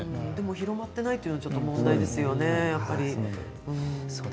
広まっていないということが問題ですよね。